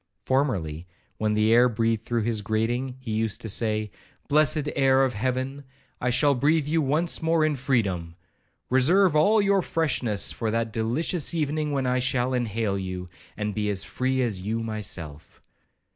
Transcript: Formerly, when the air breathed through his grating, he used to say, 'Blessed air of heaven, I shall breathe you once more in freedom!—Reserve all your freshness for that delicious evening when I shall inhale you, and be as free as you myself.'